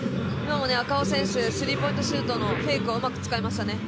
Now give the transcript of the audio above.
赤穂選手、スリーポイントシュートのフェイクをうまく使いましたね。